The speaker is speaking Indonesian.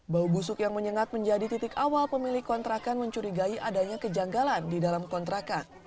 bau busuk yang menyengat menjadi titik awal pemilik kontrakan mencurigai adanya kejanggalan di dalam kontrakan